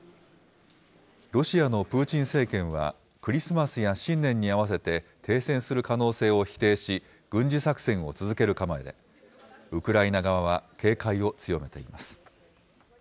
ロシアのプーチン政権は、クリスマスや新年に合わせて停戦する可能性を否定し、軍事作戦を続ける構えで、ウクライナ側は警戒を強めています。